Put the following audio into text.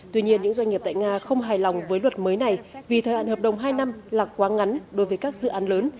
tuy nhiên những doanh nghiệp tại nga không hài lòng với luật mới này vì thời hạn hợp đồng hai năm là quá ngắn đối với các dự án lớn